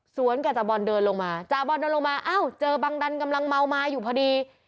กับจาบอลเดินลงมาจาบอลเดินลงมาอ้าวเจอบังดันกำลังเมามาอยู่พอดี